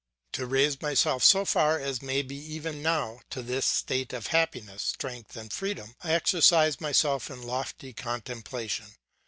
To raise myself so far as may be even now to this state of happiness, strength, and freedom, I exercise myself in lofty contemplation.